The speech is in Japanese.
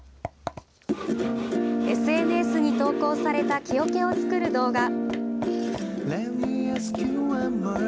ＳＮＳに投稿された木おけを作る動画。